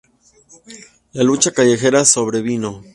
La lucha callejera sobrevino.